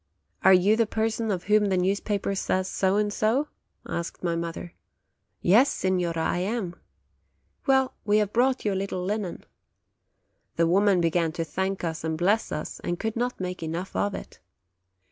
"Are you the person of whom the newspaper says so and so?" asked my mother. "Yes, signora, I am." "Well, we have brought you a little linen." The woman began to thank us and bless us, and could not make enough of it.